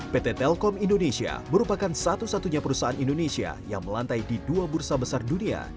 pt telkom indonesia merupakan satu satunya perusahaan indonesia yang melantai di dua bursa besar dunia